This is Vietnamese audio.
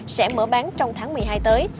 sẽ mở bán trong tháng một mươi hai tới